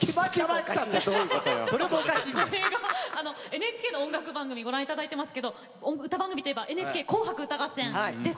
ＮＨＫの歌番組を見ていただいてますけれどもＮＨＫの歌番組といえば「ＮＨＫ紅白歌合戦」です。